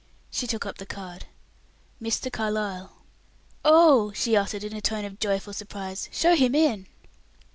She took up the card. "Mr. Carlyle." "Oh!" she uttered, in a tone of joyful surprise, "show him in."